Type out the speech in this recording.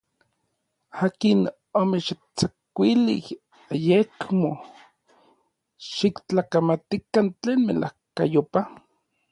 ¿akin omechtsakuilij ayekmo xiktlakamatikan tlen melajkayopaj?